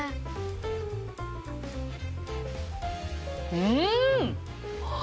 うん！